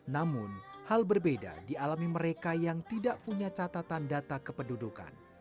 namun hal berbeda di alami mereka yang tidak punya catatan data kepedudukan